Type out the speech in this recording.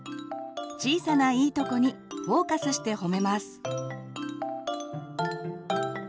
小さな「イイトコ」にフォーカスして褒めます。